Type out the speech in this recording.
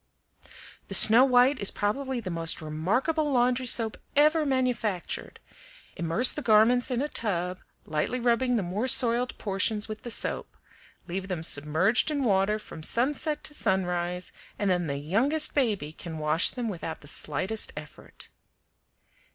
"The Snow White is probably the most remarkable laundry soap ever manufactured. Immerse the garments in a tub, lightly rubbing the more soiled portions with the soap; leave them submerged in water from sunset to sunrise, and then the youngest baby can wash them without the slightest effort."